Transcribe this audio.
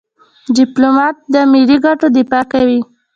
ډيپلومات د ملي ګټو دفاع کوي.